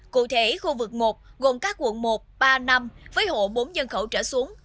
cụ thể khu vực một gồm các quận một ba năm với hộ bốn nhân khẩu trở xuống